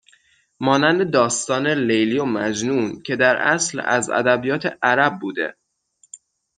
مانند داستان لیلی و مجنون که در اصل از ادبیات عرب بوده